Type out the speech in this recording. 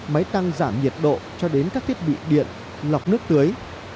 máy tăng giảm nhiệt độ cho đến các thiết bị điện lọc nước tưới